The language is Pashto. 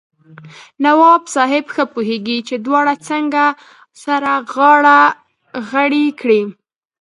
نواب صاحب ښه پوهېږي چې دواړه څنګه سره غاړه غړۍ کړي.